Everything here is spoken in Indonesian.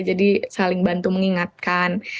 jadi saling bantu mengingatkan